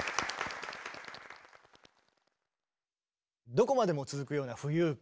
どこまでも続くような浮遊感。